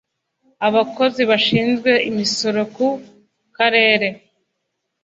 abakozi bashinzwe imisoro ku karere